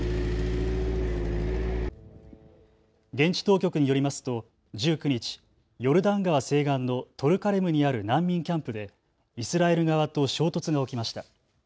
現地当局によりますと１９日、ヨルダン川西岸のトルカレムにある難民キャンプでイスラエル側と衝突が起きました。